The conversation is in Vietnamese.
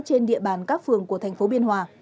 trên địa bàn các phường của thành phố biên hòa